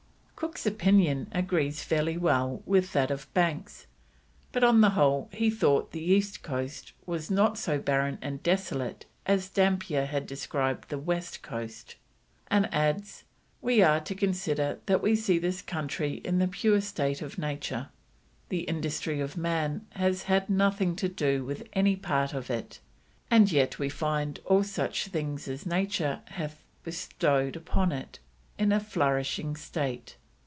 Cook's opinion agrees fairly well with that of Banks, but on the whole he thought the east coast was not so barren and desolate as Dampier had described the west coast, and adds: "We are to consider that we see this country in the pure state of nature; the Industry of Man has had nothing to do with any part of it, and yet we find all such things as Nature hath bestowed upon it, in a flourishing state.